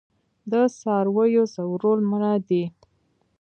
د څارویو ځورول منع دي.